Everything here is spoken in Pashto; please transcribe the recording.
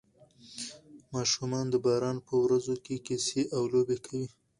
ماشومان د باران په ورځو کې کیسې او لوبې کوي.